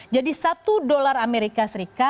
jadi satu dolar as